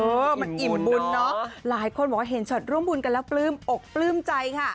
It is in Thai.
เออมันอิ่มบุญเนอะหลายคนบอกว่าเห็นช็อตร่วมบุญกันแล้วปลื้มอกปลื้มใจค่ะ